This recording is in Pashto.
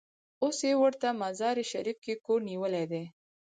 اوس یې ورته مزار شریف کې کور نیولی دی.